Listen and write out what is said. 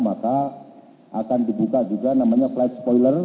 maka akan dibuka juga namanya flight spoiler